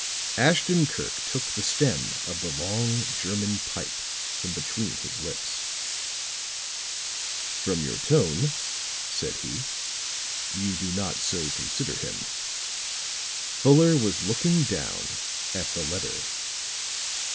Ashton Kirk took the stem of the long German pipe from between his lips. "From your tone," said he, "you do not so consider him." Fuller was looking down at the letter.